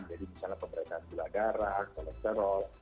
jadi misalnya pemeriksaan gula darah kolesterol